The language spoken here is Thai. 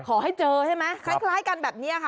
ขอให้เจอใช่ไหมคล้ายกันแบบนี้ค่ะ